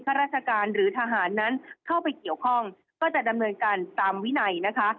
ราชการหรือทหารนั้นเข้าไปเกี่ยวข้องก็จะดำเนินการตามวินัยนะคะ